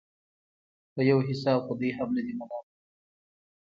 په يو حساب خو دوى هم نه دي ملامت.